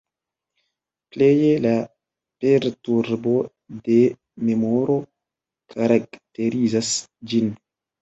Pleje la perturbo de memoro karakterizas ĝin.